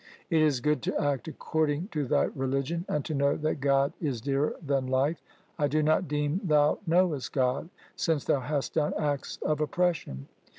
It is good to act according to thy religion, and to know that God is dearer than life. I do not deem thou knowest God, since thou hast done acts of oppression.